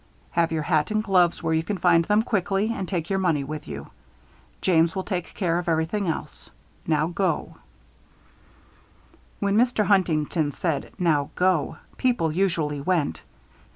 Have your hat and gloves where you can find them quickly and take your money with you. James will take care of everything else. Now go." When Mr. Huntington said "Now go," people usually went.